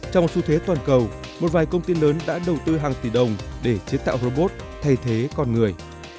trong xu thế toàn cầu một vài công ty lớn đã đầu tư hàng tỷ đồng để chế tạo robot thay thế con người